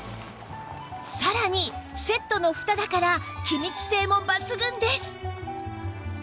さらにセットのフタだから気密性も抜群です